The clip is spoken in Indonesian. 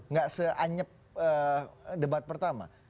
tidak seanyep debat pertama